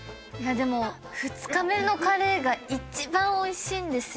でも２日目のカレーが一番おいしいんですよ。